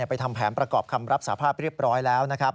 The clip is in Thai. ไปทำแผนประกอบคำรับสาภาพเรียบร้อยแล้วนะครับ